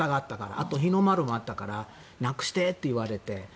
あとは日の丸もあったからなくしてって言われて。